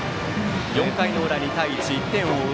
４回の裏、２対１１点を追う